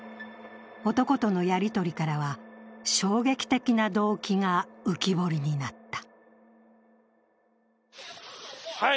男とのやりとりからは、衝撃的な動機が浮き彫りになった。